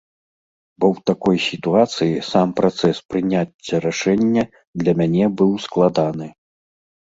Бо ў такой сітуацыі сам працэс прыняцця рашэння для мяне быў складаны.